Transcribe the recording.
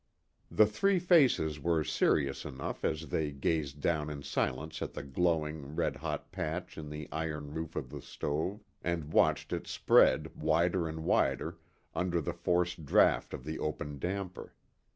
The three faces were serious enough as they gazed down in silence at the glowing, red hot patch in the iron roof of the stove, and watched it spread, wider and wider, under the forced draught of the open damper.